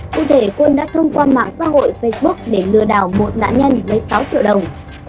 cụ thể quân đã thông qua mạng xã hội facebook để lừa đảo một nạn nhân lấy sáu triệu đồng